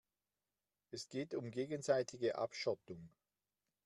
Es geht um gegenseitige Abschottung.